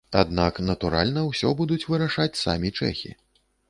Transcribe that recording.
Аднак, натуральна, усё будуць вырашаць самі чэхі.